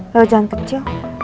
lewat jalan kecil